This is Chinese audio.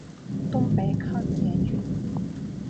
东北抗日联军。